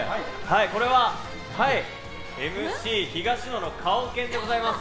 これはＭＣ東野の顔犬でございます。